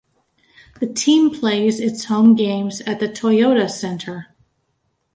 The team plays its home games at the Toyota Center.